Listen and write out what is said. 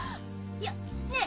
いやねえ